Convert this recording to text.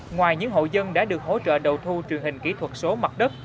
ngoài những hộ dân đã được hỗ trợ đầu thu truyền hình kỹ thuật số mặt đất